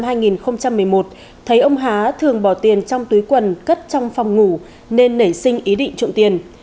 trong tuyển năm hai nghìn một mươi một thấy ông há thường bỏ tiền trong túi quần cất trong phòng ngủ nên nể sinh ý định trộm tiền